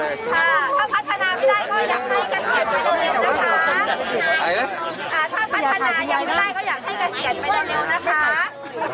ถ้าพัฒนาไม่ได้ก็อยากให้กระเศียรไปเร็วนะคะ